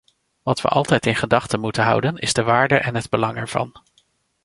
Wat we altijd in gedachten moeten houden, is de waarde en het belang ervan.